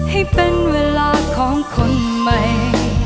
ให้เป็นเวลาของคนใหม่